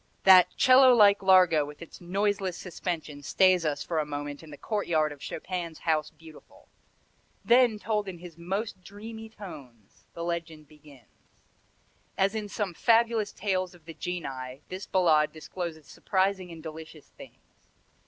That 'cello like largo with its noiseless suspension stays us for a moment in the courtyard of Chopin's House Beautiful. Then, told in his most dreamy tones, the legend begins. As in some fabulous tales of the Genii this Ballade discloses surprising and delicious things.